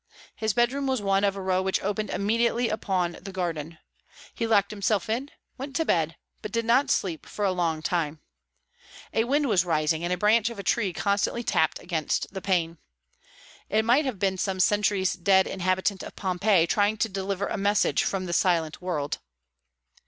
His bedroom was one of a row which opened immediately upon the garden. He locked himself in, went to bed, but did not sleep for a long time. A wind was rising, and a branch of a tree constantly tapped against the pane. It might have been some centuries dead inhabitant of Pompeii trying to deliver a message from the silent world.